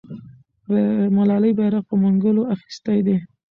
ملالۍ بیرغ په منګولو اخیستی دی.